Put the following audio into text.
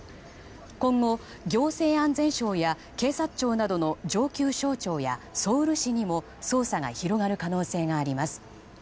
今後、行政安全省や警察庁などの上級省庁やソウル市などにも捜査が広がる可能性があります。